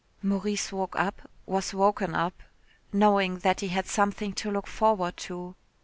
Maurice woke up was woken up knowing that he had something to look forward to.